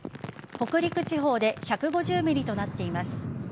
北陸地方で１５０ｍｍとなっています。